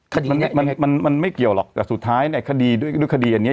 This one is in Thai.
คดีเนี้ยมันมันมันไม่เกี่ยวหรอกแต่สุดท้ายในคดีด้วยด้วยคดีอันเนี้ย